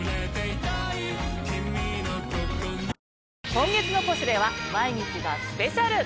今月の『ポシュレ』は毎日がスペシャル！